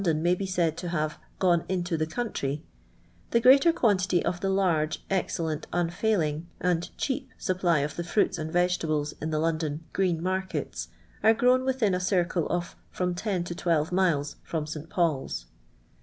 i may be said to have " gone into the country, ' the greater quantity of the large, excellent, unfailing, and cheap supply of the ftuita and veeeUbles In the London " green" markets are grown within a circle of from ten to twelve miles from St, Paul's.